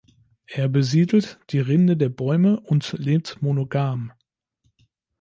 Er besiedelt die Rinde der Bäume und lebt monogam.